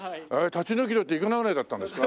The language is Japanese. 立ち退き料っていくらぐらいだったんですか？